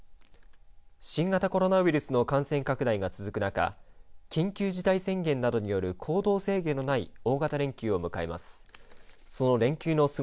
新型コロナウイルスの感染拡大が続く中緊急事態宣言などによる行動制限のない大型連休を迎えます。